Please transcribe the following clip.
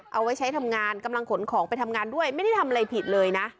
เอาไว้ใช้ทำงานกำลังขนของไปทำงานด้วยไม่ได้ทำอะไรผิดเลยนะ